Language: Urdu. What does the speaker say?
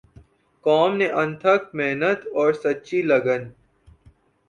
قوم نے انتھک محنت اور سچی لگن